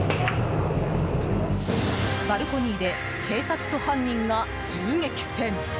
バルコニーで警察と犯人が銃撃戦。